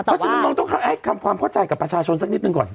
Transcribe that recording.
เพราะฉะนั้นน้องต้องให้ทำความเข้าใจกับประชาชนสักนิดหนึ่งก่อน